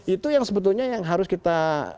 itu yang sebetulnya yang harus kita